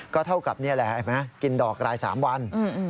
ก็เท่ากับนี่แหละเห็นไหมกินดอกราย๓วัน